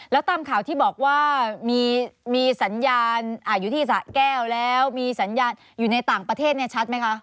แล้วตามข่าวที่บอกว่ามีสัญญาณอยู่ที่สะแก้วแล้วมีสัญญาณอยู่ในต่างประเทศชัดไหมคะ